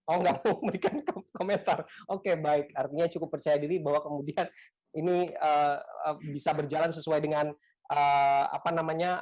oh nggak mau memberikan komentar oke baik artinya cukup percaya diri bahwa kemudian ini bisa berjalan sesuai dengan apa namanya